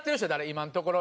今のところ。